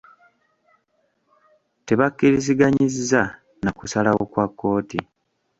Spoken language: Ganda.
Tebakkiriziganyizza na kusalawo kwa kkooti.